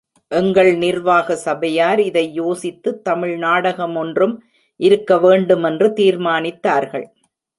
எங்கள் நிர்வாக சபையார், இதை யோசித்து, தமிழ் நாடகமொன்றும் இருக்க வேண்டுமென்று தீர்மானித்தார்கள்.